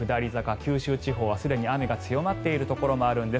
九州はすでに雨が強まっているところもあります。